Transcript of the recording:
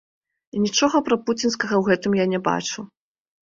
І нічога прапуцінскага ў гэтым я не бачу.